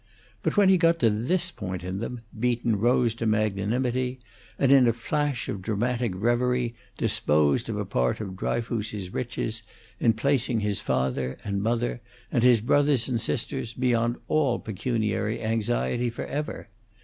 But when he got to this point in them, Beaton rose to magnanimity and in a flash of dramatic reverie disposed of a part of Dryfoos's riches in placing his father and mother, and his brothers and sisters, beyond all pecuniary anxiety forever.